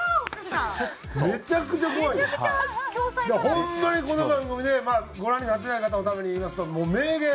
ホンマにこの番組でご覧になってない方のために言いますともう名言